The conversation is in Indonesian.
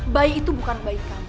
bayi itu bukan bayi kamu